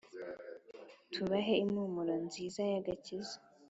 tubahe impumuro nziza y’agakiza.